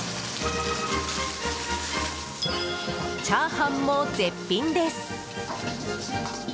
チャーハンも絶品です。